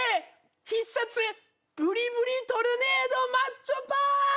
必殺ブリブリトルネードマッチョパンチ」